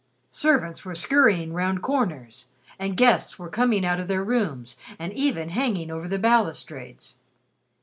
Servants were scurrying round corners, and guests were coming out of their rooms and even hanging over the balustrades.